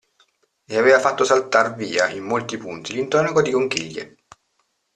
E aveva fatto saltar via in molti punti l'intonaco di conchiglie.